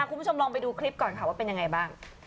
คุณผู้ชมลองไปดูคลิปก่อนค่ะว่าเป็นยังไงบ้าง